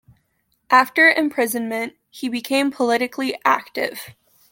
After imprisonment he became politically active.